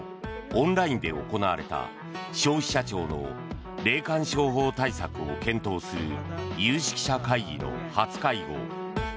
オンラインで行われた消費者庁の霊感商法対策を検討する有識者会議の初会合。